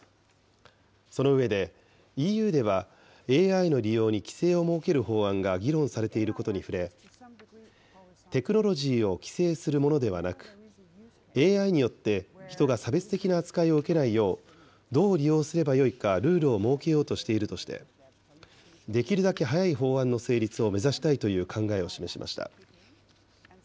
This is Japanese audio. その上で、ＥＵではＡＩの利用に規制を設ける法案が議論されていることに触れ、テクノロジーを規制するものではなく、ＡＩによって人が差別的な扱いを受けないよう、どう利用すればよいかルールを設けようとしているとして、できるだけ早い法案の成立を目指したいという考えを示しました。